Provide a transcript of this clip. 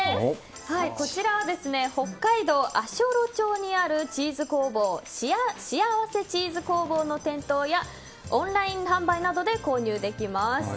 こちらは北海道足寄町にあるチーズ工房しあわせチーズ工房の店頭やオンライン販売などで購入できます。